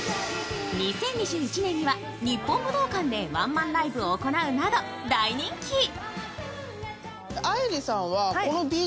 ２０２１年には日本武道館でワンマンライブを行うなど大人気。